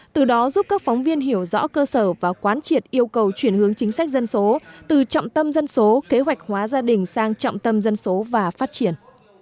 từ đó giúp các phóng viên hiểu rõ cơ sở và quán triệt yêu cầu chuyển hướng chính sách dân số từ trọng tâm dân số kế hoạch hóa gia đình sang trọng tâm dân số và phát triển